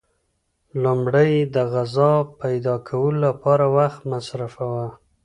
لومړی یې د غذا پیدا کولو لپاره وخت مصرفاوه.